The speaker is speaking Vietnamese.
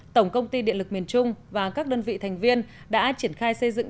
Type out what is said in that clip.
tổng công ty điện lực miền trung và các đơn vị thành viên đã triển khai xây dựng